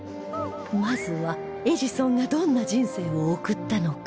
まずはエジソンがどんな人生を送ったのか？